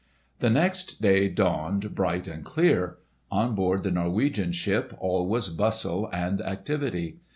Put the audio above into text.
The next day dawned bright and clear. On board the Norwegian ship all was bustle and activity.